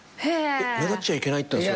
目立っちゃいけないってのは。